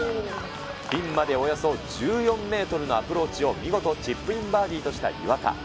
ピンまでおよそ１４メートルのアプローチを見事、チップインバーディーとした岩田。